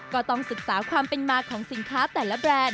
ก็ต้องศึกษาความเป็นมาของสินค้าแต่ละแบรนด์